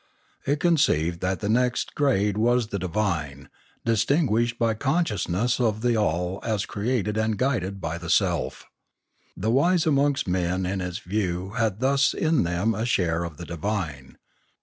It conceived that the next grade was the divine, distinguished by consciousness of the all as created and guided by the self. The wise amongst men in its view had thus in them a share of the divine.